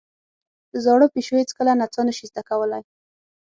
زاړه پيشو هېڅکله نڅا نه شي زده کولای.